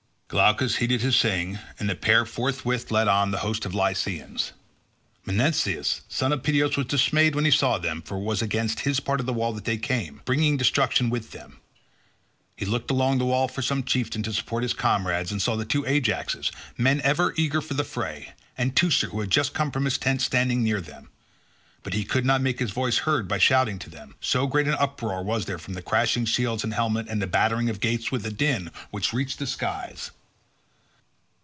Glaucus heeded his saying, and the pair forthwith led on the host of Lycians. Menestheus son of Peteos was dismayed when he saw them, for it was against his part of the wall that they came—bringing destruction with them; he looked along the wall for some chieftain to support his comrades and saw the two Ajaxes, men ever eager for the fray, and Teucer, who had just come from his tent, standing near them; but he could not make his voice heard by shouting to them, so great an uproar was there from crashing shields and helmets and the battering of gates with a din which reached the skies.